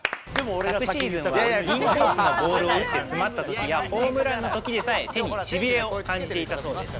昨シーズンは、インコースのボールを打つのに詰まったときや、ホームランのときでさえ、手にしびれを感じていたそうです。